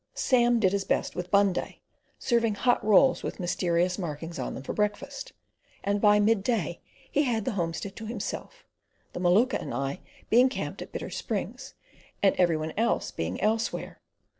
Sam did his best with Bunday, serving hot rolls with mysterious markings on them for breakfast, and by midday he had the homestead to himself, the Maluka and I being camped at Bitter Springs and every one else being elsewhere.